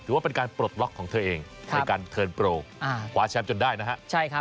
ถือว่าเป็นการปลดล็อคของเธอเองในการเทิร์นโปรคว้าแชมป์จนได้นะฮะ